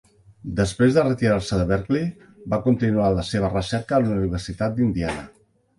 Després de retirar-se de Berkeley, va continuar la seva recerca a la Universitat d'Indiana.